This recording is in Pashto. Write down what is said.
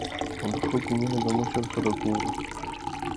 او د خلکو مينه د مشر سره ګورو ـ